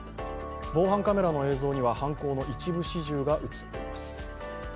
防犯カメラの映像には犯行の一部始終が映っています。